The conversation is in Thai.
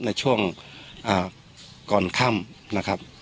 ในช่วงก่อนค่ำนะครับ